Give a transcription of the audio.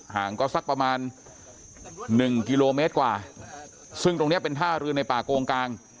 ห่างก็สักประมาณหนึ่งกิโลเมตรกว่าซึ่งตรงเนี้ยเป็นท่าเรือในป่าโกงกลาง